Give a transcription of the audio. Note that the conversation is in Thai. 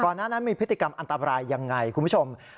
หน้านั้นมีพฤติกรรมอันตรายยังไงคุณผู้ชม